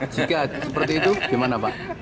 jika seperti itu gimana pak